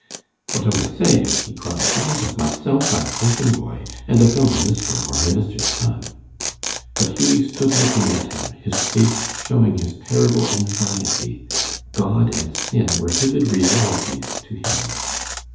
"What am I saying?" he cried. "It is of myself I am thinking, boy, and of no minister or minister's son." But Hughie stood looking at him, his face showing his terrible anxiety. God and sin were vivid realities to him.